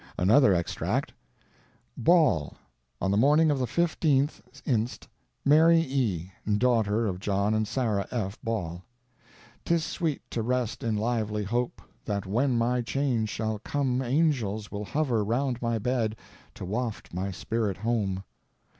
Another extract: Ball. On the morning of the 15th inst., Mary E., daughter of John and Sarah F. Ball. 'Tis sweet to rest in lively hope That when my change shall come Angels will hover round my bed, To waft my spirit home.